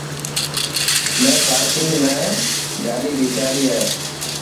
مين پارڪنگ ۾ کاڌي ڀيچاڙي هي.